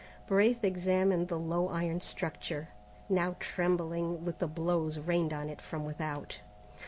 Braith examined the low iron structure, now trembling with the blows rained on it from without.